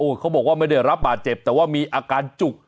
เขาบอกว่าไม่ได้รับบาดเจ็บแต่ว่ามีอาการจุก